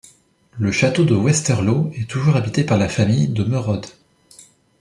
Le château de Westerlo est toujours habité par la famille de Merode.